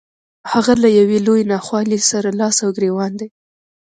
هغه له يوې لويې ناخوالې سره لاس او ګرېوان دی.